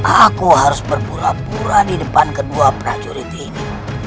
aku harus berpura pura di depan kedua prajurit ini